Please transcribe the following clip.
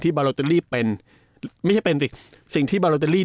บาเราจะรีบเป็นไม่ใช่เป็นสิสิ่งที่บารอเตอรี่